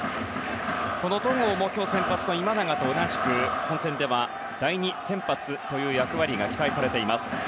戸郷も今日、先発の今永と同じく本戦では第２先発という役割が期待されています。